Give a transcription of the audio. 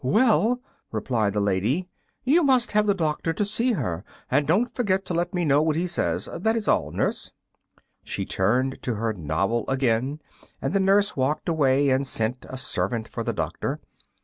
"Well," replied the lady; "you must have the doctor to see her; and don't forget to let me know what he says. That is all, Nurse." She turned to her novel again, and the Nurse walked away and sent a servant for the doctor.